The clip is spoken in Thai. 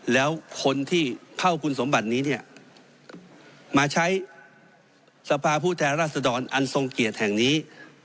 แล้วคนที่เข้าคุณสมบัตินี้เนี่ยมาใช้สภาผู้แทนราษฎรอันทรงเกียรติแห่งนี้